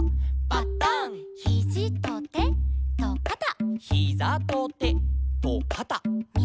「パタン」「ヒジとてとかた」